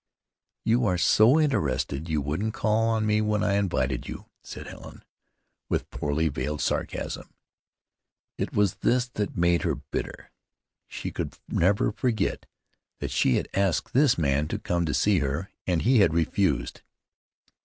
"You are so interested you wouldn't call on me when I invited you," said Helen, with poorly veiled sarcasm. It was this that made her bitter; she could never forget that she had asked this man to come to see her, and he had refused.